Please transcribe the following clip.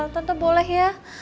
tante boleh ya